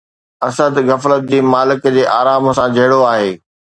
اسد غفلت جي مالڪ جي آرام سان جهيڙو آهي!